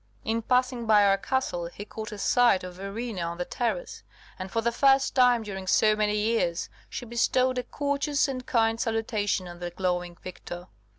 In passing by our castle he caught a sight of Verena on the terrace, and, for the first time during so many years, she bestowed a courteous and kind salutation on the glowing victor.